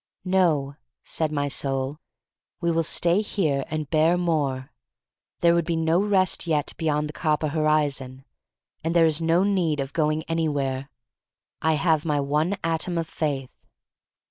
"No," said my soul; "we will stay here and bear more. There would be no rest yet beyond the copper horizon. And there is no need of going any where. I have my one atom of faith."